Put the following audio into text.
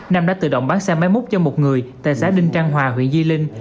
nam đã tự động bán xe máy múc cho một người tại xã đinh trang hòa huyện di linh